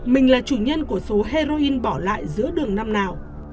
mình là chủ nhân của số heroin bỏ lại giữa đường năm nào